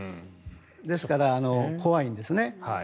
ですから、怖いんですね。